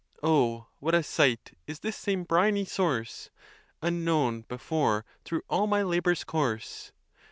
Oh, what a sight is this same briny source, Unknown before, through all my labors' course!